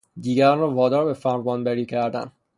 دیگران را وادار به فرمانبری کردن